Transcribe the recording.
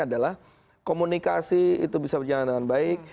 adalah komunikasi itu bisa berjalan dengan baik